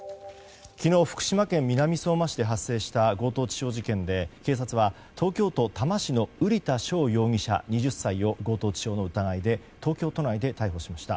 昨日福島県南相馬市で発生した強盗致傷事件で警察は、東京都多摩市の瓜田翔容疑者２０歳を強盗致傷の疑いで東京都内で逮捕しました。